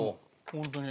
ホントに。